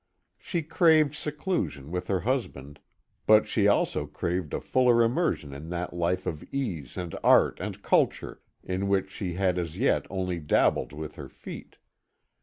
She craved seclusion with her husband, but she also craved a fuller immersion in that life of ease and art and culture in which she had as yet only dabbled with her feet.